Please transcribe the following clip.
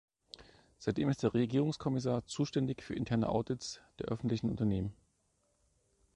Seitdem ist er Regierungskommissar, zuständig für interne Audits der öffentlichen Unternehmen.